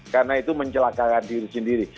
karena itu mencelakakan diri sendiri